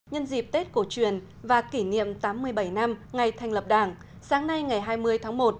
nhân dịp tết cổ truyền và kỷ niệm tám mươi bảy năm ngày thành lập đảng sáng nay ngày hai mươi tháng một